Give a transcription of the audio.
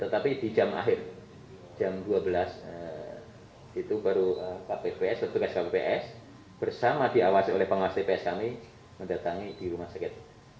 tetapi di jam akhir jam dua belas itu baru kpps petugas kpps bersama diawasi oleh pengawas tps kami mendatangi di rumah sakit